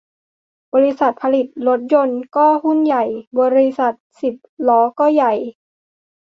บริษัทผลิตรถยนต์ก็หุ้นใหญ่ บริษัทสิบล้อก็ใหญ่